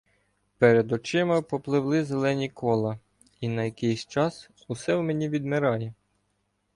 Перед очима попливли зелені кола, і на якийсь час усе в мені відмирає.